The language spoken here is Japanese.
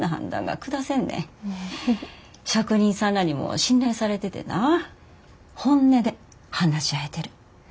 職人さんらにも信頼されててな本音で話し合えてる。